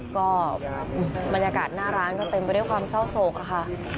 ก็บรรยากาศหน้าร้านก็เต็มไปด้วยความเศร้าโศกค่ะ